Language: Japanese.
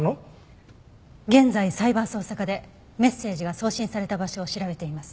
現在サイバー捜査課でメッセージが送信された場所を調べています。